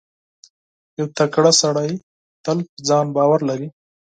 • یو تکړه سړی تل پر ځان باور لري.